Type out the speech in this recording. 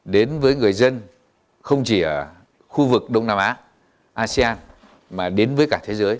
đến với người dân không chỉ ở khu vực đông nam á asean mà đến với cả thế giới